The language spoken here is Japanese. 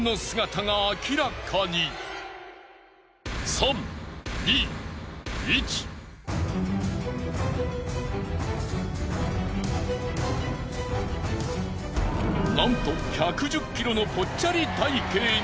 するとなんと１１０ｋｇのぽっちゃり体型に。